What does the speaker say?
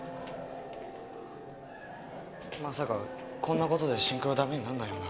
まさかこんなことでシンクロダメになんないよな？